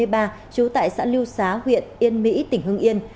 trú tại xã lưu xá huyện yên mỹ tỉnh hương yên